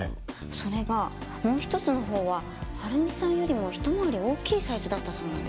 それがもう一つのほうは晴美さんよりもひと回り大きいサイズだったそうなんです。